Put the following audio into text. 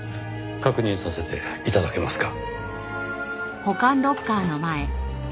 確認させて頂けますか？